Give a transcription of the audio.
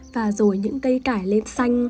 và rồi những cây cải lên xanh